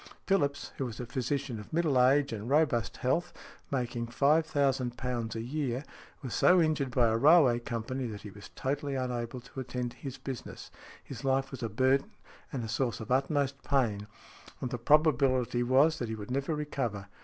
Phillips, who was a physician of middle age and robust health, making £5,000 a year, was so injured by a railway company, that he was totally unable to attend to his business; his life was a burden and a source of utmost pain, and the probability was that he would never recover.